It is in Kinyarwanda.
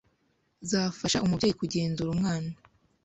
zafasha umubyeyi kugenzura umwana